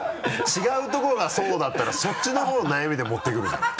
違うところがそうだったらそっちの方の悩みで持ってくるじゃない。